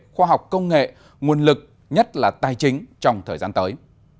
khoa học công nghệ nguồn lực nhất là tài chính trong thời gian tới